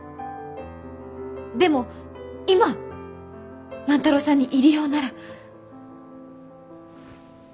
でも今万太郎さんに入り用なら！